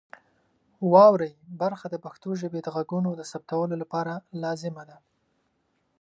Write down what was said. واورئ برخه د پښتو ژبې د غږونو د ثبتولو لپاره لازمه ده.